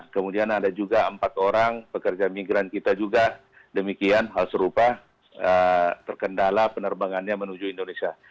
kemudian ada juga empat orang pekerja migran kita juga demikian hal serupa terkendala penerbangannya menuju indonesia